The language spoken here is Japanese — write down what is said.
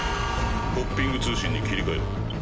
ポッピング通信に切り替えろ。